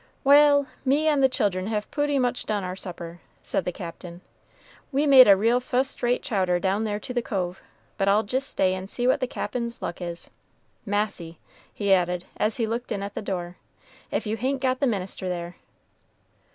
"Wal', me and the children have pooty much done our supper," said the Captain. "We made a real fust rate chowder down there to the cove; but I'll jist stay and see what the Cap'n's luck is. Massy!" he added, as he looked in at the door, "if you hain't got the minister there!